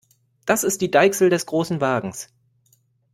Das ist die Deichsel des Großen Wagens.